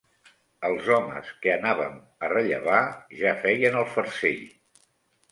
Els homes que anàvem a rellevar ja feien el farcell.